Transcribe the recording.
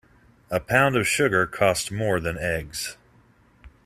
A pound of sugar costs more than eggs.